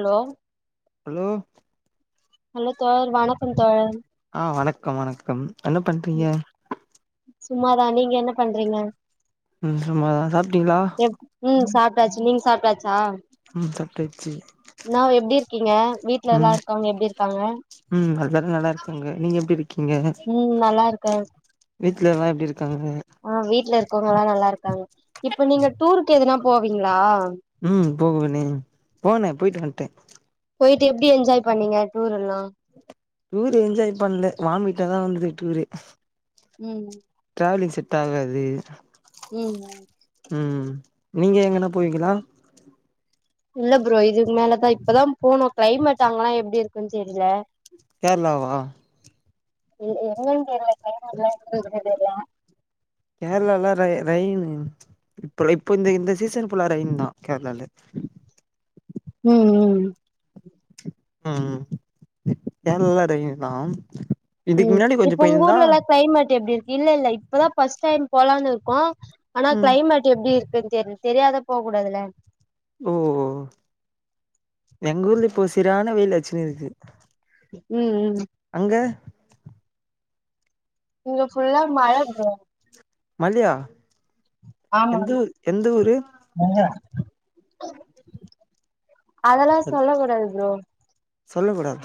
hello hello hello தோழர் வணக்கம் தோழர் ஆஹ் வணக்கம் வணக்கம் என்ன பண்றீங்க சும்மாதான் நீங்க என்ன பண்றீங்க உம் சும்மாதான் சாப்பிட்டீங்களா சாப்டாச்சு நீங்க சாப்டாச்சாச்சா உம் சாப்டாச்சு எப்டி இருக்கீங்க வீட்ல எல்லா உம் இருக்கவங்க எப்டி இருக்காங்க உம் ந பேற நல்லா இருக்கங்க நீங்க எப்டி இருக்கீங்க க வீட்லாலாம் எப்டி இருக்கு ஆஹ் வீட்டு்ல இருக் அவுங்கலா நல்லா இருக்காங்க இப்ப நீங்க டூருக்கு எதனா போவீங்களா ம் போகுவனே போனே போயிட்டு வந்ட்டே போயிட்டு எப்டி என்ஜாய் பண்ணீங்க டூர் எல்லாம் டூரு என்ஜாய் பண்ல வாமிட்டாதான் வந்தது டூரு உம் ட்ராவலிங் செட் ஆகாது உம் ம் நீங்க எங்கன்னா போவீங்களா இல்ல ப்ரோ இதுக்கு மேலதான் இப்பதான் போனோம் கிளைமேட் அங்கெல்லாம் எப்டி இருக்குன்னு தெரியல கேரளாவா [unintelligible] கேரளாலலாம் ரெயின் இப்ப இப்போ இந்த இந்த சீசன் புஃல்லா ரெயின் தான் கேரளால உம் உம் உம் உம் கேரளா ல ரெயின் தான் உம் இப்ப உங்க ஊர்ல எல்லாம் கிளைமட் எப்படி இரு இல்ல இல்ல இப்ப தான் ஃபர்ஸ்ட் டைம் போலானு இரு கா ஆனா ம் கிளைமேட் எப்படி இருக்குன்னு தெரிய தெரியாத போக கூடாதுல ஓ எங்கூர்ல இப்போ சிறான வெயில் அச்சுன்னு இருக்குது உம் உம் அங்க இங்க புல்லா மழ ப்ரோ மல்லயா ஆமா எந்த ஊர் எந்த ஊரு ஆமா அதெல்லாம் சொல்ல கூடாது ப்ரோ சொல்ல கூடாது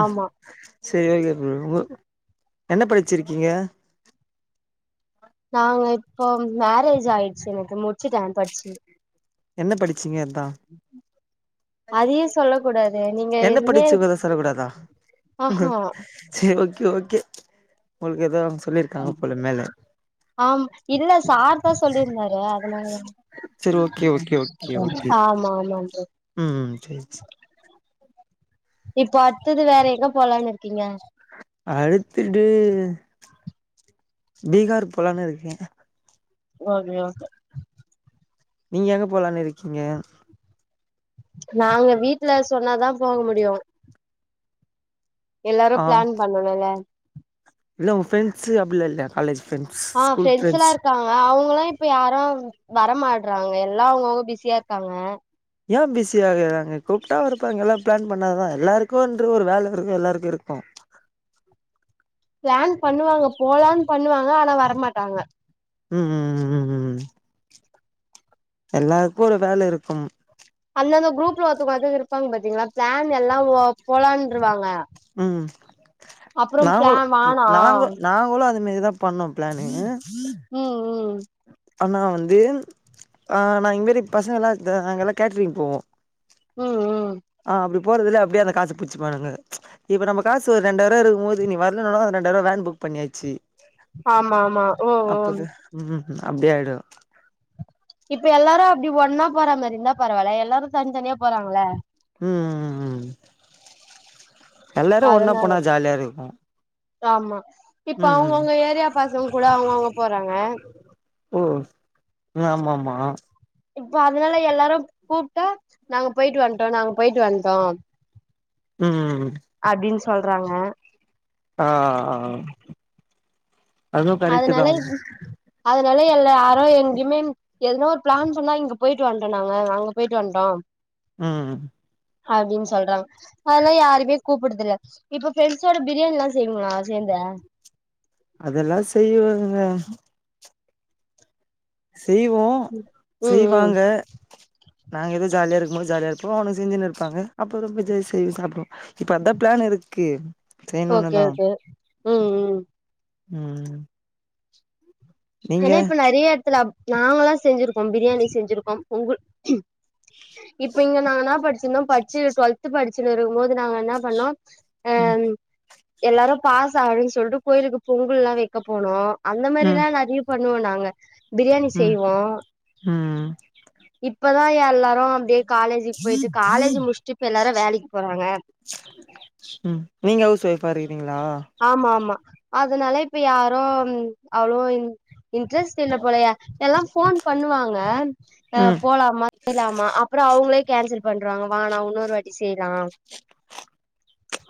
ஆஹ ஆமா செரி ஓகே [unintelligible] என்ன படிச்சிருக்கீங்க நாங்க இப்போ மேரேஜ் ஆயிச்சு எனக்கு முட்ச்சுட்டே பட்ச்சி என்ன படி சிங்க லா அதையு சொல்ல கூடாது நீங்க என்ன எதுவுமே படிச்சு [unintelligible] [inaudible] சொல்லக்கூடாதா ஆஹா செரி ஓகே ஓகே ஓகே [unintelligible] தா ஆமா இதுல்ல சார் தா சொல்லியிருந்தாரு அதனால சரி ஓகே ஓகே ஓகே ஓகே தா ஆமா ஆமா [unintelligible] ம் செரி இப்போ அட்த்தது வேற எங்க போலான் இருக்கீங்க அடுத்துட்டு பீகார் போலானு இருக்கே ஓகே ஓகே நீங்க எங்க போலனு இருக்கீங்க நாங்க வீட்ல சொன்னாதா போக முடியு எல்லாரு ஆ பிளான் பண்ணணுல்ல இல்ல உங்க ஃப்ரண்ட்ஸு அப்பில்லா இல்லயா காலேஜ் ஃப்ரெண்ட்ஸ் அ ஸ்கூல் ஃப்ரெண்ஸ் ல்லா ஃப்ரெண்ட்ஸ் இருக்காங்க அவுங்கலா இப்ப யாரு வரமாட்றாங்க எல்லா அவங்கவுங்க பிஸியா இருக்காங்க ஏன் பிஸி ஆகுறாங்க கூப்ட்டா வர போறாங்க எல்லா பிளான் பண்ணா தா எல்லாருக்கு ன்று ஒரு வேல இருக்கு எல்லாருக்கு இருக்கு பிளான் பண்ணுவாங்க போலான் பண்ணுவாங்க ஆனா வரமாட்டாங்க உம் உம் உம் உம் உம் எல்லாருக்கு ஒரு வேல இருக்கும் இன்னந்த குரூப்ல [unintelligible] இருப்பாங்க பாார்த்தீங்களா பிளான் எல்லா போ போலான்ருவாங்க உம் அப்புறோ நாங்களு பிளான் நா வானா நாங்க நாங்களு அது ன்மேரி தா பண்ணோ ப்ளானு உ உஹம் ம் ம் ஆனா வந்து அ நா இன் மேரி பசங்க ல்லா த நாங்க ல்லா கேட்ரிங் போவோ ம் ம் அ அப்டி போறதுல்ல அப்டே அந்த காச புச்சிபாங்க ச்ச இப்ப நம்ம காசு ஒரு ரெண்டாயரூவ இருக்கும் போது நீ வரலானு அந்த ரெண்டாயிரூா வேன் புக் பண்ணியாச்சு ஆமா ஆமா ஓ ஓ அப்டியாயிடு இப்ப எல்லாரு அப்டி ஒன்னா போற மாரி இருந்தா பரவால எல்லாரு தனித்தனியா போறாங்கல ம் ம் ம் ம் எல்லாரு ஒண்ணா அதனால போனா ஜாலியா இருக்கு ஆமா இப்ப ம் ம் அவுங்கவுங்க ஏரியா பசங்க கூட அவுங்கவுங்க போறாங்க ம் ம் ஆமாமா இப்ப அதனால எல்லாரு கூப்ட்டா நாங்க போயிட்டு வன்ட்டோ நாங்க போயிட்டு வன்ட்டோ ம் சொல்றாங்க ஆ அதுவு கரெக்ட் தா அதுனலை அதுனலை தி அல்ல இல்ல யாரோ எங்யுமே எதனோ ஒரு ப்ளான் சொன்னா இங்க போயிட்டு வந்ட்டோ நாங்க அங்க போயிட்டு வந்ட்டோ ம் அப்டின்ன சொல்றாங் அதுல்லா யாருய்மே கூப்புடுறதுல்ல இப்ப ப்ரெண்ட்ஸோட பிரியாணில்லா செய்வங்ளா சேந்து அதெல்லா செய்யவங்க செய்வோ ம் ம் செய்வாங்க நாங் எது ஜால்யா இருக்கும்மோது ஜால்ய இர்ப்போ அவனுங் செஞ்சுனுருப்பாங்க அப்ப ரொம்போ ஜேசெய் சாப்டுவோ இப்போ அதா ப்ளான் இருக்கு ஓகே செய்யணுன்னுதா உகே ம் நீங்க ஏன்னா இப்ப நெறைய எட்த்துல நாங்களா செஞ்சிருக்கோ அம் பிரியாணி செஞ்சிருக்கோ ஒங்குள் இப்ப இங்க நங்கனா பட்ச்சிருந்தோ பட்ச்சி டுவல்த்து படிச் சினுருக்கும்போது நாங்க என்னா பண்ணோ ம் எல்லாரும் பாச ஆகனுன் சொல்ட்டு கோயிலுக்கு பொங்குல்லா வெக்க போனோ அந்த ம் மாதிரிலா நறிப் ஆங்க பிரியாணி ம் செய்வோ ம் இப்பதா எல்லாரு அப்படியே வேலைக்கு போறாங்க உம் நீங்க ஹவுஸ் வைஃப்பா இருக்கிறீங்களா ஆமா ஆமா அதனால இப்ப யாரு அவ்ளோ இன்ட்ரெஸ்ட் இல்ல போலைய எல்லா போன் பண்ணுவாங்க ம் போலாமா செய்யலாமா அப்பறம் அவங்களே கேன்சல் பண்ணுர்வாங்க வெண்ணா இன்னொரு வாட்டி செய்லா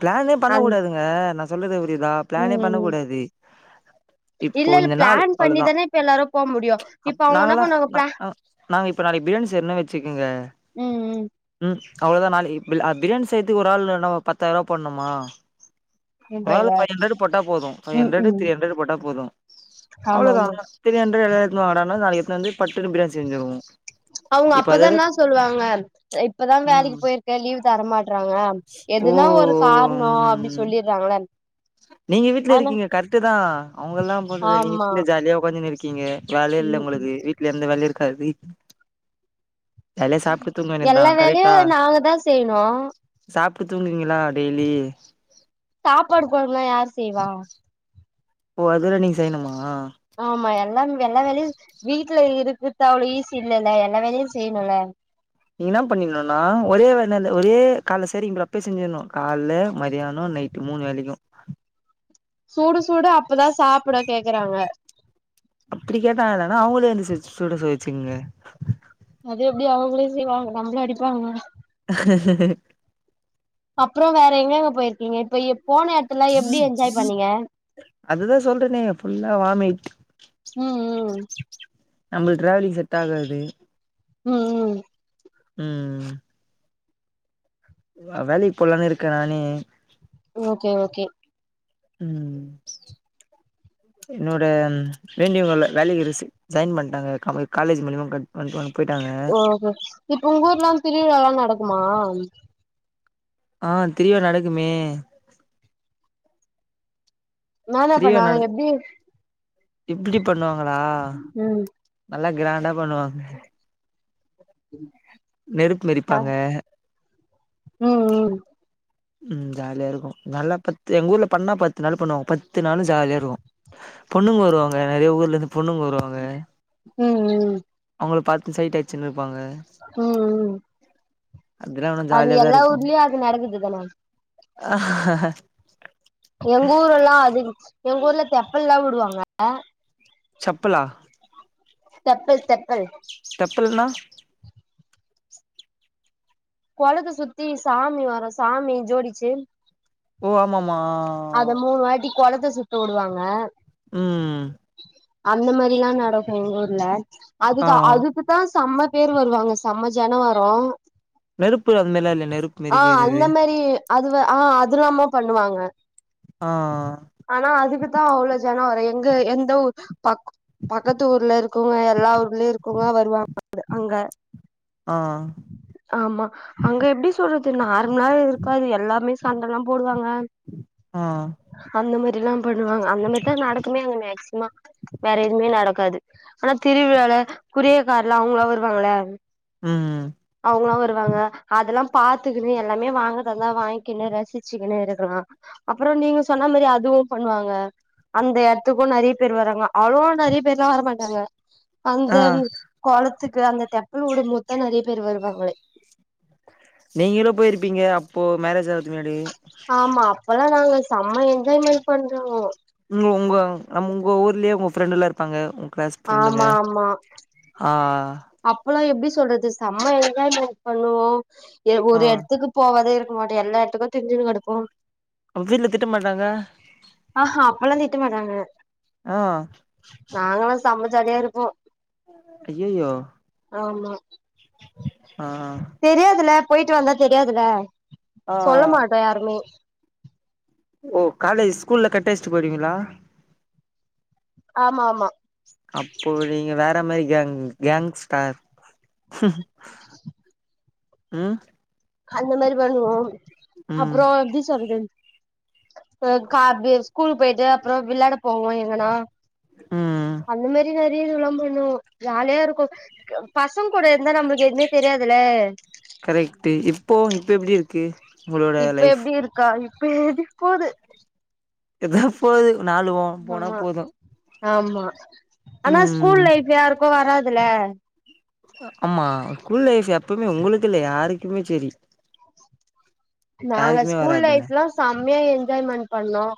பிளானே பண்ண அந் கூடாதுங்க ந சொல்லது ரியுதா இதா பிளானே ம் பண்ண ம் கூடாது இப்போ இல்ல இல்ல இந்த நாள் பிளான் அவ்ளோ தான் பண்ணிதானே இப்ப எல்லாரு போ முடியு ச இப்ப அப்டின்னா அவங்க என்ன நா பண்ணுவாங்க நா பிளா நாங்க இப்ப நாளைைக்கு பிரியானி செய்யரன்னு வச்சுக்கோங்க ம் உம் அவ்வளோதான் நா இ பிரியாணி செய்யரத்துக்கு ஒரு ஆள் நம்ம பத்து தவ பண்ணுமா ம் ஒரு ஆளு ஃபைவ் ஹண்ட்ரடு போட்டா போதும் பைவ் ம் ஹண்ட்ரடு ம் திரி ஹண்ட்ரடு போட்டா போதும் ஆமா அவ்ளோ தா ஆமா திரி ஹண்ட்ரடு எதோ இது ஆகலனா நாளை உக்காந்து பட்டு நிமிடோ செஞ்சோ அவங்க அப்பதான்னா சொல்லுவாங்க இப்பதான் வேலைக்கு ம் போயிருக்கன் லீவ் தரமாட்டறாங்க அ ஓ எதுனா ஒரு காரணம் அப்டி ம் சொல்லிடுறாங்கள நீங்க வீட்டு்ல ஆனா இருக்கீங்க கருத்து ஆ அவுங்கல்லா போறதுங்க நீங்க ஆமா வீட்ல ஜாலியா ஒக்காந்துருக்கீங்க நீங்க வேலையே இல்ல ம் ம் உங்களுக்கு வீட்ல எந்த வேலயூ கவி எல்லா வேலையும் நாங்க தான் செய்யணும் இப்ப தூங்குவீங்களா டெய்லி தாப் [unintelligible] குழம்பெலாலாம் யார் செய்வா ஓ அதெல்லாம் நீங்க செய்யணுமா ஆமா எல்லாம எல்லா வேலையு வீட்ல இருக்குத்து அவ்ளோ ஈசி இல்லல்ல எல்லா வேலையு செய்யணுல நீ என்ன பண்ணிணுனா ஒரே வேலலல்ல ஒரே கால்ல சரின்றோ அப்புயே செஞ்சிணு கால்ல மதியானோ நைட்டு மூண் வேலைக்கும் சூடுஸ் சூட அப்பதா சாப்புட கேக்குறாங்க அப்டி கேட்டாங்கலனா அவுங்களே வந்து செய் சுட சொல் வைச்சுங்க அது எப்டி அவங்களே செய்வாங்க நம்ள அடிப்பாங்க அப்புறோ வேற எங்கெங்க பொயிருக்கீங்க இப்ப இப் அதுதா சொல்றனே ஃபுல்லா வாமிட் ம் ம் நம்ளு டிராவ்விங் செட் ஆகாது ம் ம் ம் வ வேலைக்கு போலானு இருக்க நானு ஓகே ஓகே உம் என்னோட வேண்டியவங்ள வேலைக்கு ரிசீம் சைன் பண்ட்டாங்க கமுல் காலேஜ் மூழியமா கண் கண்கானிப் ஓ இப்போ உங்க ஊர்லா திருவிழாலா நடக் மா ஆஹ் திரிவிழா நடக்குமே மேல இப்ப கீரீவா நாங்க எப்டி நடக்கு இப்பிடி பண்ணுவாங்குளா ம் நல்லா கிராண்டா பண்ணுவாங்க நெருப்பு அஹ் மெரிப்பாங்க மா உம் உம் உம் ஜாலியா இருக்கு நல்லா பத்து எங்க ஊர்ல பண்ணா பத்து நாளு பண்ணுவாங்க பத்து நாளு ஜாலியா இருக்கு பொண்ணுங்கு வருவாங்க நெறையா ஊர்ல இருந்து பொண்ணுங்கு வருவாங்க ம் அவுங்குள பாத் சைட் ஆட்ச்சுன்ரு உம் உம் அதெல்லா ஆனா அது எல்லா ஊர்லியு அது நடக்குது தான அஹ் ஹ ஹ எங்க ஊர் எல்லா அதி எங்க ஊர்ல தெப்பல்லா உடுவாங்க செப்பலா தெப்பல் தெப்பல் செப்பல்னா கொளத்த சுத்தி சாமி வரு சாமி ஜோடிச்சு ஓ ஆமாமா அத மூணு வாட்டி கொளத் த சுத்த உடுவாங்க உம் அந்த மாரிலா நடக்கு எங்க ஊர்ல ஆ அதுதா அதுக்கு தா செம்ம பேரு வருவாங்க செம்ம ஜனம் வரும் நெருப்பு நெருப்பு எரிக்கிறது ஆஹ் அது இல்லாம பண்ணுவாங்க ஆ ஆனா அதுக்குத்தா அவ்ளோ ஜனம் வரு எங்க எந்த ஊர் பக்கத்து ஊர்ல இருக்கிறவங்கஎல்லா ல்லா வருவாங்க அங்க ஆ ஆமா அங்க எப்டி சொல்றது றதுனா ஆனா இருக்காது எல்லாமே சண்ட எல்லாம் போடுவாங்க ஆஹ் எல்லாம் பண்ணுவாங்க அந்த மாதிரிதான் நடக்குமே அந்த மேக்சிமம் வேறே எதுமே நடக்காது ஆனா திருவிழால குறியகால அவங்கலாம் வருவாங்களா ம் அவங்களாம் வருவாங்க அதெல்லாம் பாத்துக்கணு எல்லாமே வாங்கிக்கின்னு ரசிச்சுக்கின்னு இருக்கலாம் அப்புறம் நீங்க சொன்ன மாதிரி அதுவும் பண்ணுவாங்க அந்த இடத்துக்கும் நிறைய பேர் வராங்க அலோன நிறைய பேர்லாம் வர மாட்டாங்க அந்த ஆ கோலத்து துக்கு தெப்போ விடும் போது தா நிறைய பேரு வருவாங்களே நீங்களும் போயிருப்பீங்க அப்போ மேரேஜ் முன்னாடி ஆமா அப்பதா நாங்க செம்ம என்ஜாய்மென்ட் பண்றோம் ம் உங்க ஊர்லயே உங்க ஃப்ரெண்டு் எல்லாம் இருப்பாங்க கிளாஸ் ஃப்ரெண்ட்ங்க ஹ அப்ப எல்லாம் எப்படி சொல்றது செம்ம என்ஜாய்மென்ட் பண்ணுவோம் ஒரு ஆ இடத்துக்கு போவதே போட்டு எல்லா இடத்துக்கும் திருசிடு இருப்போம் வீட்டுல திட்ட மாட்டாங்க அதெல்லாம் திட்ட மாட்டாங்க ஆஹ் நாங்கல்லா செம்ம ஜாலியா இருப்போம் அய்யயோ ஆமா தெரியாதுல போயிட்டு வந்தா தெரியாதுல ஆ சொல்ல மாட்டோம் யாருமே ஓ காலேஜ் ஸ்கூல கட் அடிச்சிட்டு போய்டுவீங்களா ஆமா ஆமா அப்போ நீங்க வேற மாதிரி கேங் கேங்ஸ்டார் உம் அந்த மாதிரி பண்ணுவோம் ம் அப்புறம் எப்படி சொல்றது கா பி ஸ்கூலு போயிட்டு அப்புறம் விளையாட போவோம் எங்கன்னா ம் அந்த மாதிரி தா வீடியோலா பண்ணுவோம் ஜாலியா இருக்கும் பசங்க கூட இருந்தா நமளுக்கு எதுவுமே தெரியாதுல கரெக்ட்டு இப்போ இப்ப எப்படி இருக்கு உங்களோட இப்ப லைஃப் எப்படி இருக்கா இப் பேதி போது எதப்போது நாளுவோ போனா ஆமா போதும் ஆமா ஆனா ஸ்கூல் லைஃப் யார் அப்போ வராதுல ஆமா குலைப் எப்பவுமே உங்களுக்கு இல்ல யாருக்குமே சரி நாங்க ஸ்கூல் லைஃப்லாம் சம செமயா என்ஜாய்மெண்ட் பண்ணோம்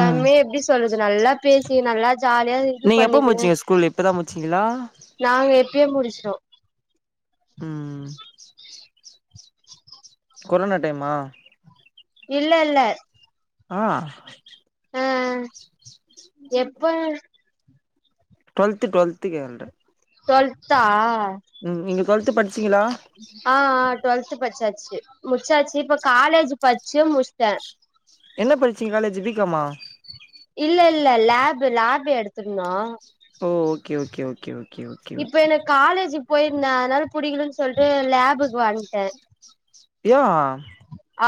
ம் எப்படி சொல்லுறது நல்லா பேசி நல்லா ஜாலியா இது நீங்க எப்ப பண்ணிக்குனு முச்சீங்க ஸ்கூல் இப்பதா முச்சீங்களா நாங்க எப்பயே முடிச்சிடோம் உம் உம் ச்ச் கொரோனா டைமா இல்ல இல்ல ஆஹ் ஆஹ் எப்ப டுவெல்த் டுவெல்த் கேட்டேன் டுவெல்த்தா உம் நீங்க டுவெல்து படிச்சீங்களா ஆ ஆ டுவெல்த் படிச்சாச்சு முடிச்சாச்சு இப்ப காலேஜ் படிச்சி முடிச்சிட்டேன் என்ன படிச்சிங்க காலேஜ் பி காம் ஆஹ் இல்ல இல்ல லேப் லேப் எடுத்திருந்தோம் ஓ okay okay okay okay okay okay போய் இருதேன் அதனால புடிகுன்னு சொல்லிட்டு ஒரு லேபுக்கு வாங்கட்டேன் யா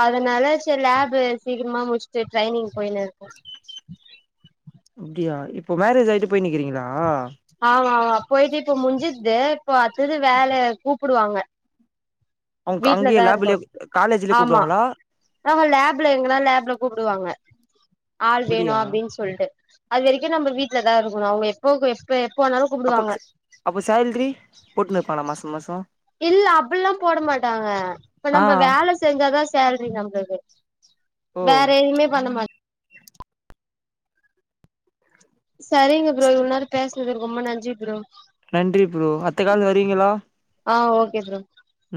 அதனால சரி லேப சீக்கிரமா முடிச்சுட்டு ட்ரைனிங் போயனுு இருக்கும் ச்ச்ச அப்படியா இப்போ மேரேஜ் ஆயிட்டு போய் நிக்கிறீங்களா ஆமா ஆமா போயிட்டு இப்போ முடிஞ்சுது இப்போ அடுத்தது வேலைய கூப்பிடுவாங்க அவங்க அங்கே லேப்லயே காலேஜ்லயே ஆமா கூப்பிடுவாங்களா ஆஹா லேப்ல எங்கனா லேப்ல கூப்பிடுவாங்க ஆள் அப்டியா வேணும் அப்படின்னு சொல்லிட்டு அது வரைக்கும் நம்ம வீட்ல தான் இருக்கணும் அவங்க எப்போ பே அப்ப அப்ப சேல்ரி போட்டுனுப்பானா மாசம் மாசம் இல்ல அப்பிடில்லா போட மாட்டாங்க இப்ப ஆ நம்ம வேல செஞ்சாதா சேல் நம்பளுக்கு ஓ வேற எதுவுமே பண்ண மாட்ட செரிங்க ப்ரோ இவன்னேரு பேச க்கு ரொம்ப நன்றி ப்ரோ நன்றி ப்ரோ அத்த கால் வரீகளா ஆஹ் ஓகே ப்ரோ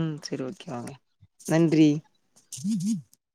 உம் செரி ஓகே வாங்க நன்றி